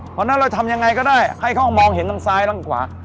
เพราะฉะนั้นเราทำยังไงก็ได้ให้เขามองเห็นทั้งซ้ายทั้งขวา